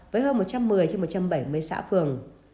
với hơn một trăm một mươi trên một trăm bảy mươi xã phường